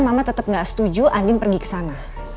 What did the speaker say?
mama tetep gak setuju andin pergi ke sana